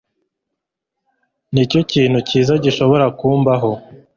Nicyo kintu cyiza gishobora kumbaho